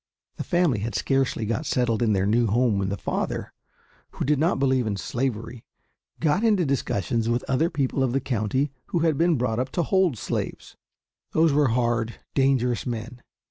The family had scarcely got settled in their new home when the father, who did not believe in slavery, got into discussions with other people of the county who had been brought up to hold slaves. Those were hard, dangerous men.